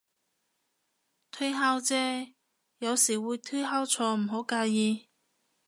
推敲啫，有時會推敲錯，唔好介意